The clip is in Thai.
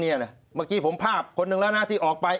เมื่อกี้ผมภาพคนหนึ่งแล้วนะที่ออกไป